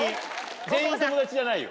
全員友達じゃないよ。